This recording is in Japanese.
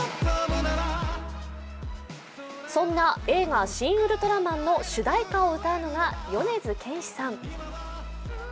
そんな映画「シン・ウルトラマン」の主題歌を歌うのが米津玄師さん。